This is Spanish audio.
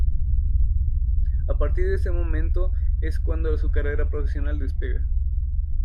A partir de este momento es cuando su carrera profesional despega.